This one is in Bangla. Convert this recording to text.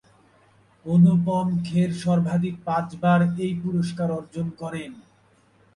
অনুপম খের সর্বাধিক পাঁচবার এই পুরস্কার অর্জন করেন।